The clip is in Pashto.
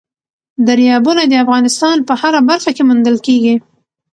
دریابونه د افغانستان په هره برخه کې موندل کېږي.